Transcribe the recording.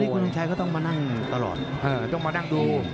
ตอนนี้คุณมาต้องตรวจตรงไหน